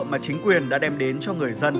mà chính quyền đã đem đến cho người dân